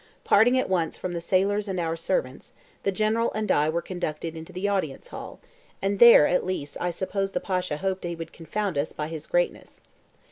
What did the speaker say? Parting at once from the sailors and our servants, the General and I were conducted into the audience hall; and there at least I suppose the Pasha hoped that he would confound us by his greatness.